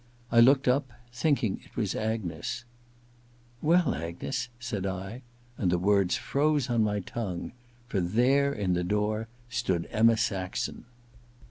I looked up, thinking it was Agnes. *WeU, Agnes * said I, and the words froze on my tongue ; for there, in the door, stood Emma Saxon.